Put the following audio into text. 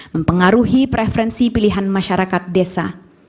mempengaruhi preferensi pilihan masyarakat desa